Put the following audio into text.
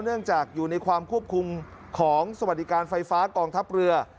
เนื่องจากอยู่ในความควบคุมของสวัสดิการไฟฟ้ากองทัพเรือ